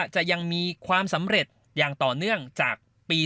จะยังมีความสำเร็จอย่างต่อเนื่องจากปี๒๕